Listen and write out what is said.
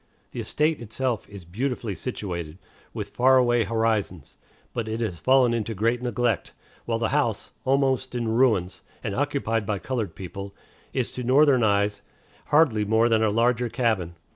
The estate itself is beautifully situated, with far away horizons; but it has fallen into great neglect, while the house, almost in ruins, and occupied by colored people, is to Northern eyes hardly more than a larger cabin.